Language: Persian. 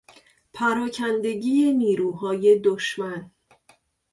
پراکندگی نیروهای دشمن